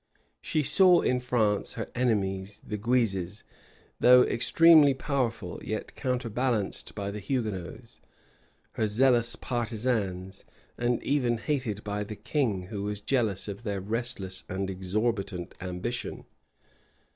She saw in France her enemies, the Guises, though extremely powerful, yet counterbalanced by the Hugo*nots, her zealous partisans, and even hated by the king, who was jealous of their restless and exorbitant ambition.